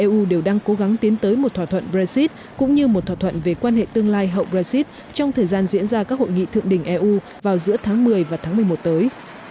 các tuyên bố trên được đưa ra trong bối cảnh cả anh và eu đều đang cố gắng tiến tới một thỏa thuận brexit cũng như một thỏa thuận về quan hệ tương lai hậu brexit trong thời gian diễn ra các hội nghị thượng đình eu vào giữa tháng một mươi và tháng một mươi một tới